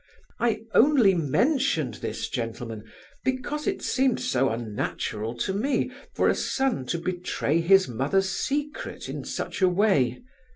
I only mentioned this, gentlemen, because it seemed so unnatural to me for a son to betray his mother's secret in such a way.